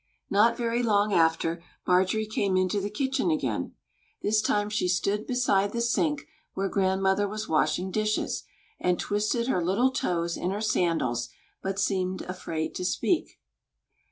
Not very long after, Marjorie came into the kitchen again. This time she stood beside the sink, where grandmother was washing dishes, and twisted her little toes in her sandals, but seemed afraid to speak.